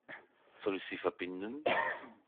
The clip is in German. Soll ich Sie verbinden?